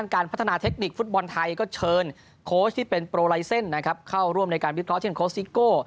โค้ชที่เป็นโปรไลเซ็นต์นะครับเข้าร่วมในการวิทยาลอสเช่นโค้ชซิโก้